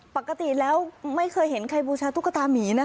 ปกติแล้วไม่เคยเห็นใครบูชาตุ๊กตามีนะคะ